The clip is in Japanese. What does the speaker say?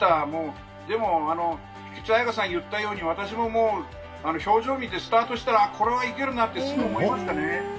もう、でも、菊池彩花さん言ったように、表情見て、スタートしたら、これはいけるなってすぐ思いましたね。